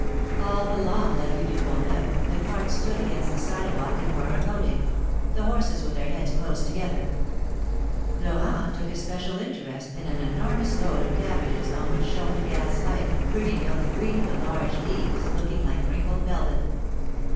All along la Kue du Pont Neuf the carts stood against the sidewalk and were unloading — the horses with their heads close together. Florent took especial interest in an enormous load of cabbages on which shone a gas light, bringing out the green of the large 36 THE MARKETS OF PARIS. leaves looking like wrinkled velvet.